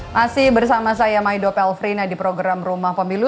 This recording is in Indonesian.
masih bersama saya maido pelfrina di program rumah pemilu